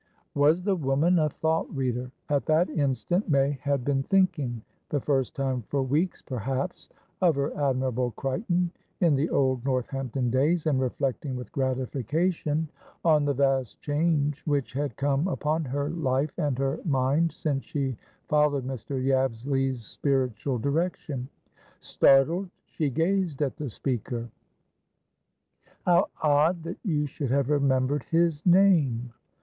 Was the woman a thought reader? At that instant May had been thinkingthe first time for weeks, perhapsof her Admirable Crichton in the old Northampton days, and reflecting with gratification on the vast change which had come upon her life and her mind since she followed Mr. Yabsley's spiritual direction. Startled, she gazed at the speaker. "How odd that you should have remembered his name!"